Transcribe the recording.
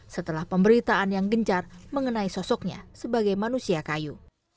setelah pemberitaan yang gencar mengenai sosoknya sebagai manusia kayu